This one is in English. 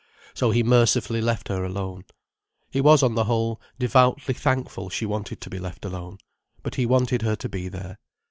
So he mercifully left her alone: he was on the whole devoutly thankful she wanted to be left alone. But he wanted her to be there.